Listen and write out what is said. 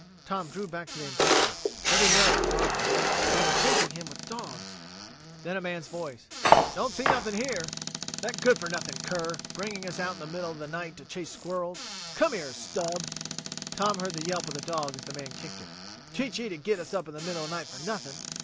Tom drew back to the embankment, every nerve throbbing. So they were chasing him with dogs! Then a man's voice: "Don't see nothing here. That good for nothing cur bringing us out in the middle of the night to chase squirrels. Come here, Stub!" Tom heard the yelp of the dog as the man kicked it. "Teach ye to git us up in the middle of the night fer nothing."